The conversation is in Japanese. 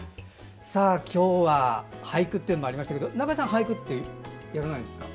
今日は俳句というのもありましたけど中江さん、俳句はやらないんですか？